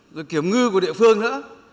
rồi kiểm ngư của địa phương nữa